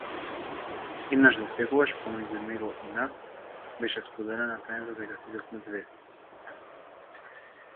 Еднаш засекогаш, помеѓу него и нас, беше споделена тајната дека сите сме ѕвезди.